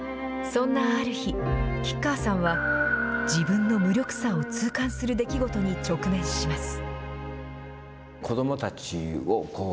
そんなある日、吉川さんは自分の無力さを痛感する出来事に直面します。